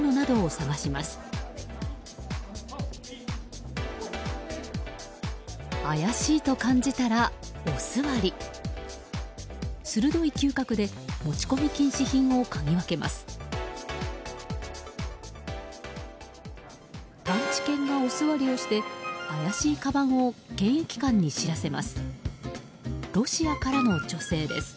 探知犬がおすわりをして怪しいかばんを検疫官に知らせます。